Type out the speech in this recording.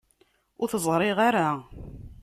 Ur t-ẓriɣ ara.